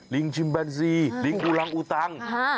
ชิมแบนซีลิงอุรังอุตัง